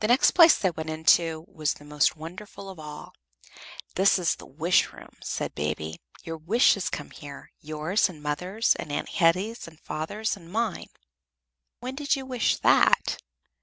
The next place they went into was the most wonderful of all. "This is the Wish room," said Baby. "Your wishes come here yours and mother's, and Aunt Hetty's and father's and mine. When did you wish that?"